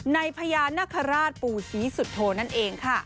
พญานาคาราชปู่ศรีสุโธนั่นเองค่ะ